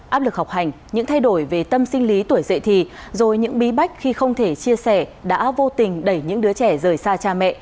áp lực học hành những thay đổi về tâm sinh lý tuổi dậy thì rồi những bí bách khi không thể chia sẻ đã vô tình đẩy những đứa trẻ rời xa cha mẹ